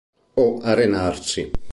O arenarsi.